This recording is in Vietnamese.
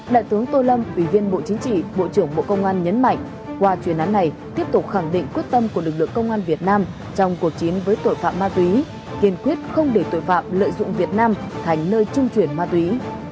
đại tướng tô lâm ủy viên bộ chính trị bộ trưởng bộ công an nhấn mạnh qua chuyên án này tiếp tục khẳng định quyết tâm của lực lượng công an việt nam trong cuộc chiến với tội phạm ma túy kiên quyết không để tội phạm lợi dụng việt nam thành nơi trung chuyển ma túy